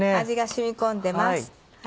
味が染み込んでます。